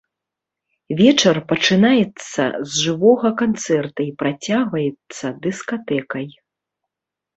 Вечар пачынаецца з жывога канцэрта і працягваецца дыскатэкай.